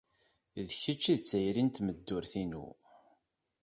D kečč ay d tayri n tmeddurt-inu.